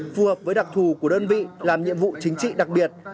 phù hợp với đặc thù của đơn vị làm nhiệm vụ chính trị đặc biệt